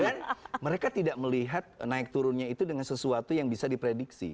dan mereka tidak melihat naik turunnya itu dengan sesuatu yang bisa diprediksi